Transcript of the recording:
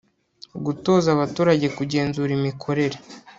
gutoza abaturage kugenzura imikorere